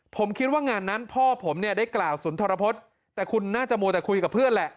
ผมคิดว่างานนั้นพ่อผมเนี่ยได้กล่าวสุนทรพฤษแต่คุณน่าจะมัวแต่คุยกับเพื่อนแหละ